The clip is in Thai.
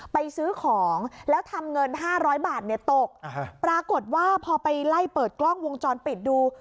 ซื้อของแล้วทำเงิน๕๐๐บาทเนี่ยตกปรากฏว่าพอไปไล่เปิดกล้องวงจรปิดดู